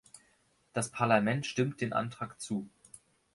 Das Parlament stimmt dem Antrag zu.